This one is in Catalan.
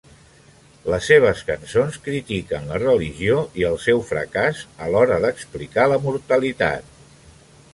Les seves cançons critiquen la religió i el seu fracàs a l'hora d'explicar la mortalitat.